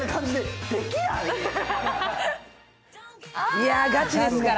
いや、ガチですから。